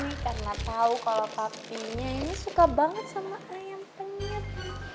ini kan gak tau kalau papinya ini suka banget sama ayam penyet nih